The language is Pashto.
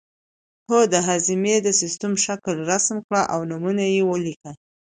هو د هاضمې د سیستم شکل رسم کړئ او نومونه یې ولیکئ